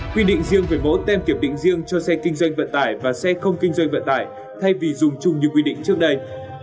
quy định riêng về mẫu tem kiểm định riêng cho xe kinh doanh vận tải và xe không kinh doanh vận tải thay vì dùng chung như quy định trước đây